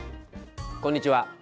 こんにちは。